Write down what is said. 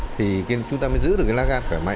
thì chúng ta mới giữ được lá gan